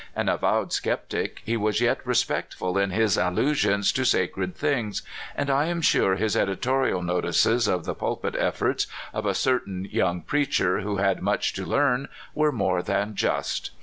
An avowed skeptic, he was yet respectful in his allusions to sacred things, and I am sure his editorial notices of the pulpit efforts of a certain young preacher who had much to learn were more than just.